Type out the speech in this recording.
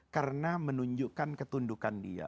karena menunjukkan ketundukan dia